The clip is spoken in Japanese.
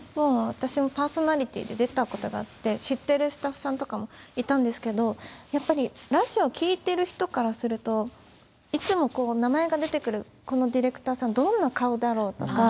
私もパーソナリティーで出たことがあって知ってるスタッフさんとかもいたんですけどやっぱりラジオ聴いてる人からするといつも名前が出てくるこのディレクターさんどんな顔だろうとか。